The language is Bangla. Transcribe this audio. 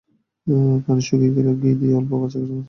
পানি শুকিয়ে এলে ঘি দিয়ে অল্প আঁচে কিছুক্ষণ ভাজতে হবে।